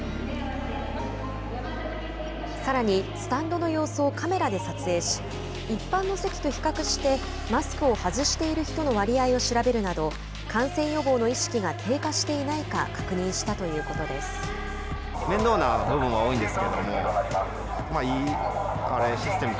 さらにスタンドの様子をカメラで撮影し一般の席と比較してマスクを外している人の割合を調べるなど感染予防の意識が低下していないか確認したということです。